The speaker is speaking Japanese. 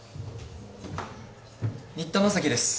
新田正樹です。